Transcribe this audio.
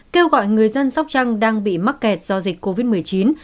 kêu gọi người dân sóc trăng đang bị mắc kẹt do dịch covid một mươi chín